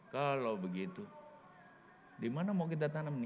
kalau begitu dimana mau kita tanam ini